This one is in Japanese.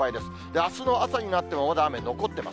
あすの朝になってもまだ雨残ってます。